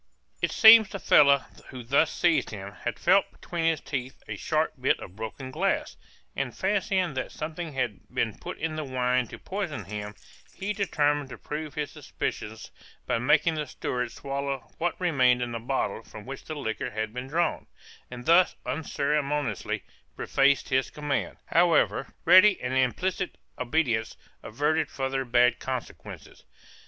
It seems the fellow who thus seized him, had felt between his teeth a sharp bit of broken glass, and fancying that something had been put in the wine to poison him, he determined to prove his suspicions by making the steward swallow what remained in the bottle from which the liquor had been drawn, and thus unceremoniously prefaced his command; however, ready and implicit obedience averted further bad consequences.